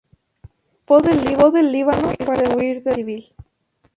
Escapó del Líbano para huir de la guerra civil.